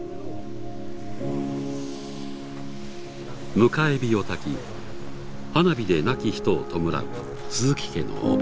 迎え火をたき花火で亡き人を弔う鈴木家のお盆。